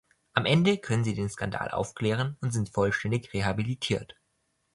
Am Ende können sie den Skandal aufklären und sind vollständig rehabilitiert.